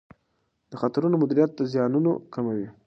د خطرونو مدیریت زیانونه کموي.